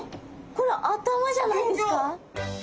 これ頭じゃないですか？